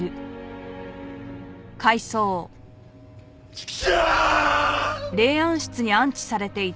チクショー！